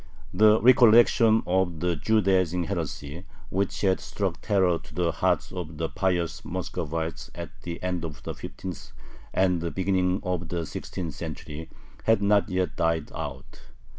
The recollection of the "Judaizing heresy" which had struck terror to the hearts of the pious Muscovites at the end of the fifteenth and the beginning of the sixteenth century had not yet died out.